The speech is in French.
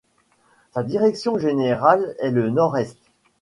Sa direction générale est le nord-est.